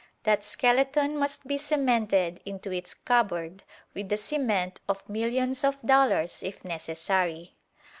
That skeleton must be cemented into its cupboard with the cement of millions of dollars if necessary.